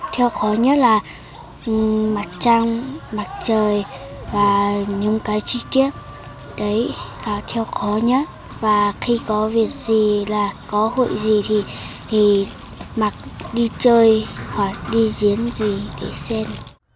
theo khó nhất là mặt trăng mặt trời và những cái chi tiết đấy theo khó nhất và khi có việc gì là có hội gì thì mặc đi chơi hoặc đi diễn gì để xem